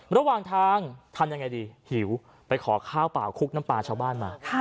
ระหว่างทางทำยังไงดีหิวไปขอข้าวเปล่าคุกน้ำตาชาวบ้านมา